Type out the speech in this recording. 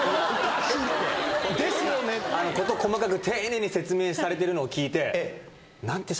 ⁉事細かく丁寧に説明されてるのを聞いて。